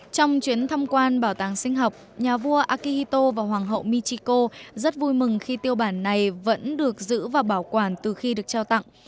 trong chuyến thăm quan bảo tàng sinh học nhà vua akihito và hoàng hậu michiko rất vui mừng khi tiêu bản này vẫn được giữ và bảo quản từ khi được trao tặng